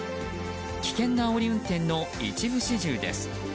危険なあおり運転の一部始終です。